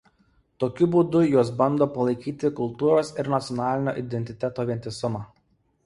Tokiu būdu jos bando palaikyti kultūros ir nacionalinio identiteto vientisumą.